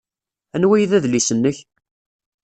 Anwa ay d adlis-nnek?